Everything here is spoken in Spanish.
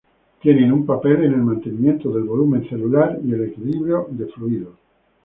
Tienen un papel en el mantenimiento del volumen celular y el equilibrio de fluidos.